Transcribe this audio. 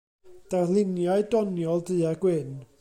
Darluniau doniol du-a-gwyn.